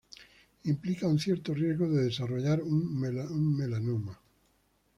Implica un cierto riesgo de desarrollar un melanoma.